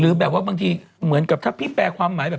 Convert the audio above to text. แบบว่าบางทีเหมือนกับถ้าพี่แปลความหมายแบบ